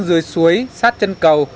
dưới suối sát chân cầu